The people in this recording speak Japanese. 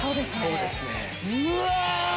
うわ！